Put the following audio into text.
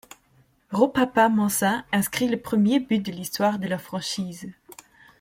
Ropapa Mensah inscrit le premier but de l'histoire de la franchise.